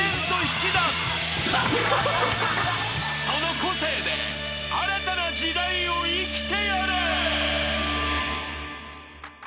［その個性で新たな時代を生きてやれ！］